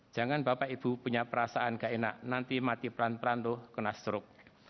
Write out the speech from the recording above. jangan bapak ibu punya perasaan gak enak nanti mati perantau kena seruk